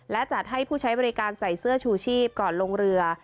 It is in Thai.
และจัดให้ผู้ใช้บริการใส่เสื้อชูชีพก่อนลงเรือ